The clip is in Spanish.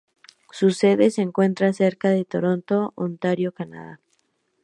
Su sede se encuentra cerca de Toronto, Ontario Canadá.